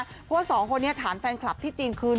เพราะว่าสองคนนี้ถามแฟนคลับที่จริงคือ